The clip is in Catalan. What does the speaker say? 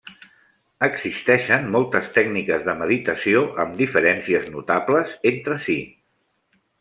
Existeixen moltes tècniques de meditació amb diferències notables entre si.